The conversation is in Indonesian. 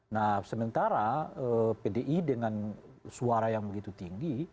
nah sementara pdi dengan suara yang begitu tinggi